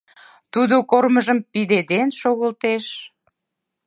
Тудо кормыжым пидеден шогылтеш.